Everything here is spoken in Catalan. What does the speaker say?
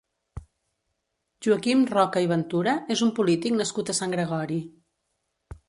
Joaquim Roca i Ventura és un polític nascut a Sant Gregori.